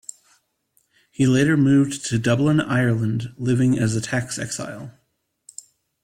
He later moved to Dublin, Ireland, living as a tax exile.